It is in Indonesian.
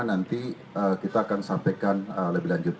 nanti kita akan sampaikan lebih lanjut